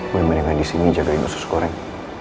gue mendingan disini jagain susu goreng